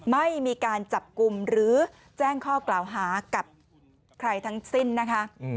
ไม่มีการจับกลุ่มหรือแจ้งข้อกล่าวหากับใครทั้งสิ้นนะคะ